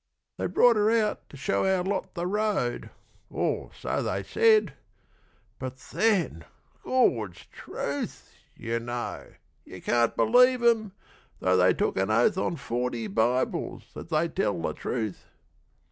They brought her out to show our lot the road, Or so they said; but, then, Gord's truth! you know, You can't believe 'em, though they took an oath On forty Bibles that they'd tell the truth.